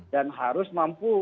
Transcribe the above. dan harus mampu